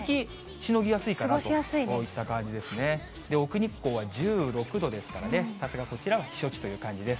過ごしやすいといった感じで奥日光は１６度ですからね、さすがこちらは避暑地という感じです。